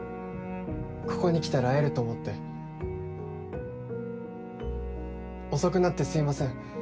ここに来たら会えると思って遅くなってすいません